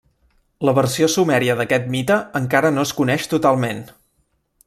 La versió sumèria d'aquest mite encara no es coneix totalment.